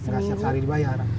gak siap sehari dibayar